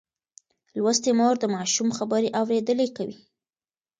لوستې مور د ماشوم خبرې اورېدلي کوي.